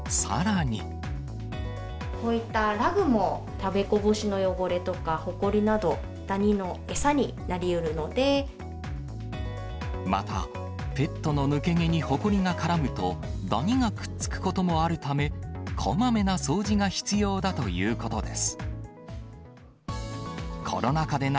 こういったラグも、食べこぼしの汚れとか、ほこりなど、また、ペットの抜け毛にほこりが絡むと、ダニがくっつくこともあるため、こまめな掃除が必要だということです。